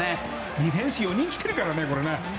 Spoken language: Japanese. ディフェンス４人来てるからね。